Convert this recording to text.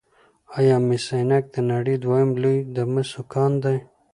آیا مس عینک د نړۍ دویم لوی د مسو کان دی؟